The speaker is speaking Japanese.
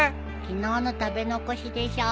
昨日の食べ残しでしょ。